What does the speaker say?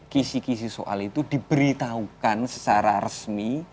kisi kisi soal itu diberitahukan secara resmi